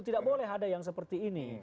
tidak boleh ada yang seperti ini